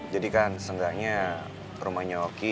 jadi kan seenggaknya rumahnya oki